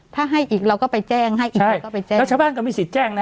ถ้าให้อีกเราก็ไปแจ้งให้อีกใครก็ไปแจ้งแล้วชาวบ้านก็มีสิทธิ์แจ้งนะ